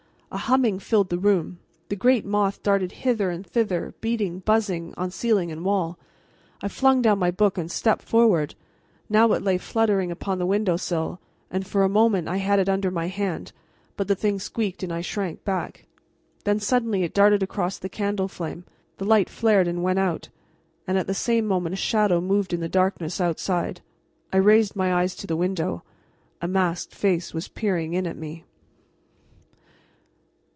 A humming filled the room; the great moth darted hither and thither, beating, buzzing, on ceiling and wall. I flung down my book and stepped forward. Now it lay fluttering upon the window sill, and for a moment I had it under my hand, but the thing squeaked and I shrank back. Then suddenly it darted across the candle flame; the light flared and went out, and at the same moment a shadow moved in the darkness outside. I raised my eyes to the window. A masked face was peering in at me.